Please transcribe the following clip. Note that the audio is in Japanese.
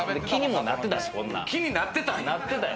気になってたんや。